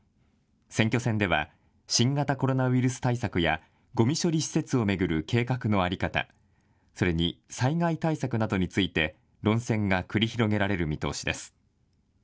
選挙戦では新型コロナウイルス対策やごみ処理施設を巡る計画の在り方、それに災害対策などについて論戦が繰り広げられる見通しです。